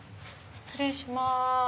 失礼します。